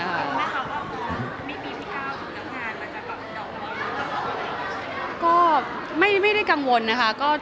คิดไหมคะว่ามีปีพี่ก้าวถึงกำลังการแต่จะต่อไปดอกลงวัน